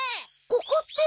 ここって。